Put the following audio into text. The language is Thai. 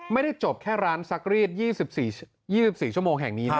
ไม่ได้จบแค่ร้านซักรีด๒๔ชั่วโมงแห่งนี้นะ